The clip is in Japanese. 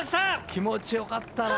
気持ちよかったな。